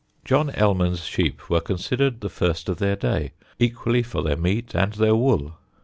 John Ellman's sheep were considered the first of their day, equally for their meat and their wool.